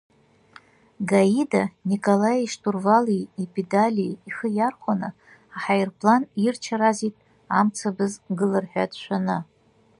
Гаида Николаи иштурвали, ипедали ихы иархәаны, аҳаирплан ирчаразит амцабз гылар ҳәа дшәаны.